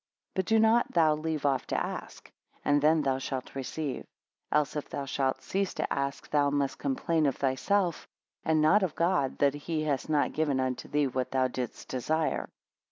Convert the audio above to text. But do not thou leave off to ask, and then thou shalt receive. Else if thou shalt cease to ask, thou must complain of thyself, and not of God, that he has not given unto thee what thou didst desire.